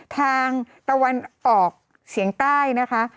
ทางตะวันออกเฉียงใต้นะคะ